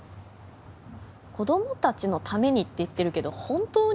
「『子どもたちのために』って言ってるけど本当に？」